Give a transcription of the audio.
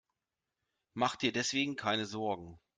Mach dir deswegen keine Sorgen.